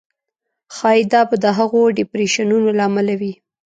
ښایي دا به د هغو ډېپریشنونو له امله وي.